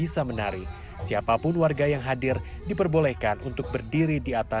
sampai jumpa di video selanjutnya